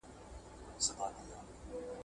تعلیم یوازې نارینه وو ته نه دی.